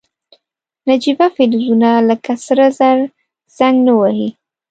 نجیبه فلزونه لکه سره زر زنګ نه وهي.